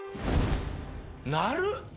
鳴る！